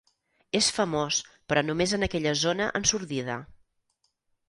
És famós, però només en aquella zona ensordida.